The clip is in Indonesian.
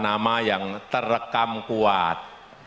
nama yang terekam kuat